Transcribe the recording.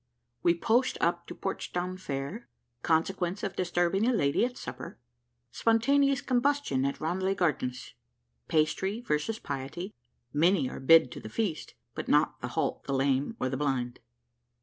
WE POST UP TO PORTSDOWN FAIR CONSEQUENCE OF DISTURBING A LADY AT SUPPER SPONTANEOUS COMBUSTION AT RANELAGH GARDENS PASTRY versus PIETY MANY ARE BID TO THE FEAST; BUT NOT THE HALT, THE LAME, OR THE BLIND.